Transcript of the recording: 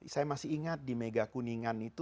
saya masih ingat di mega kuningan itu